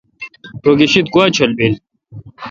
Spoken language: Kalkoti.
رو گیشد گوا چول بیل۔